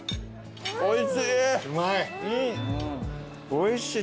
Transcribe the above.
おいしい。